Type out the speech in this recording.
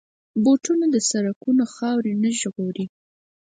بوټونه د سړکونو خاورې نه ژغوري.